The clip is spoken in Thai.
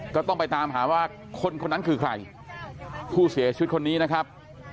ก็ต้องไปตามหาว่าคนคนนั้นคือใครผู้เสียชีวิตคนนี้นะครับ